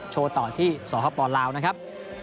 โชว์ต่อที่สปลาวนะครับ